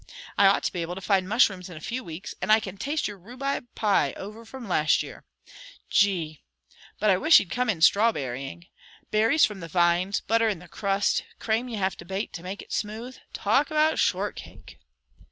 I ought to be able to find mushrooms in a few weeks, and I can taste your rhubarb pie over from last year. Gee! But I wish he'd come in strawberrying! Berries from the vines, butter in the crust, crame you have to bate to make it smooth talk about shortcake!"